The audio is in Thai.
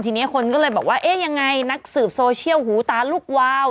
ทีนี้คนก็เลยบอกว่าเอ๊ะยังไงนักสืบโซเชียลหูตาลุกวาว